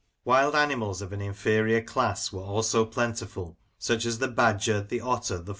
Wild animals of an inferior class were also plentiful, such as the badger, the otter, the.